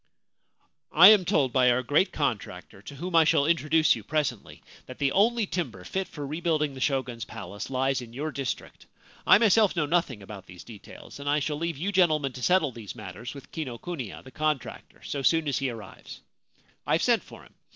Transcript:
' I am told by our great contractor, to whom I shall introduce you presently, that the only timber fit for rebuilding the Shogun's palace lies in your district. I myself know nothing about these details, and I shall leave you gentle men to settle these matters with Kinokuniya, the con tractor, so soon as he arrives. I have sent for him.